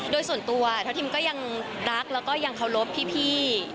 โดยส่วนตัวทัพทิมก็ยังรักแล้วก็ยังเคารพพี่